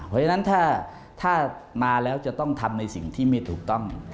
เพราะฉะนั้นถ้ามาแล้วจะต้องทำในสิ่งที่ไม่ถูกต้อง